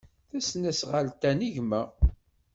Tasnasɣalt-a n gma.